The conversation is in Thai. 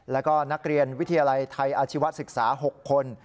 แล้วก็นักเรียนวิทยาลัยไทยอาชีวศึกษา๖คน